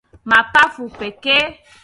mapafu pekee